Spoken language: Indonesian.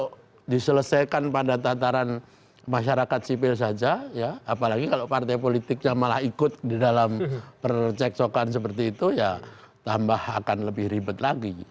kalau diselesaikan pada tataran masyarakat sipil saja ya apalagi kalau partai politiknya malah ikut di dalam perceksokan seperti itu ya tambah akan lebih ribet lagi